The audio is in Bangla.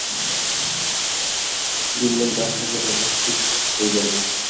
বিল্বন তাঁহার নিকটে উপস্থিত হইলেন।